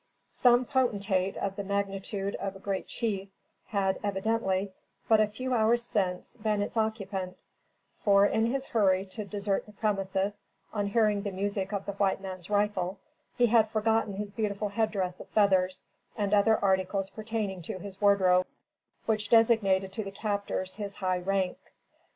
Some potentate of the magnitude of a great chief had, evidently, but a few hours since, been its occupant; for, in his hurry to desert the premises, on hearing the music of the white man's rifle, he had forgotten his beautiful head dress of feathers, and other articles pertaining to his wardrobe, which designated to the captors his high rank.